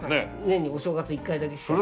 年にお正月１回だけしか。